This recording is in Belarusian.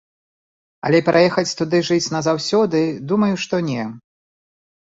Але пераехаць туды жыць назаўсёды, думаю, што не.